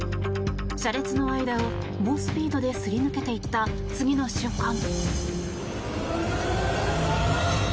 車列の間を猛スピードですり抜けていった次の瞬間。